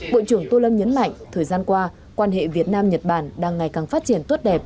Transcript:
bộ trưởng tô lâm nhấn mạnh thời gian qua quan hệ việt nam nhật bản đang ngày càng phát triển tốt đẹp